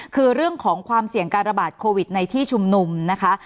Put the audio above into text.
คือเรื่องของความเสี่ยงการระบาดโควิดในที่ชุมนุมนะคะ